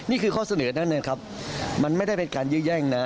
นี่คือข้อเสนอแน่ครับมันไม่ได้เป็นการยื้อแย่งนะ